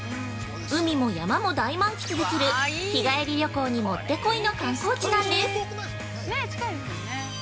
海も山も大満喫できる日帰り旅行にもってこいの観光地なんです。